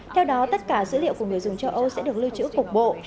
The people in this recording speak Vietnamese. theo đó tất cả dữ liệu của người dùng châu âu sẽ được lưu trữ cục bộ